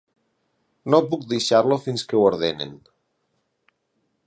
No puc deixar-lo fins que ho ordenin.